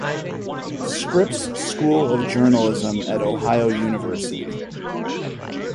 Scripps School of Journalism at Ohio University.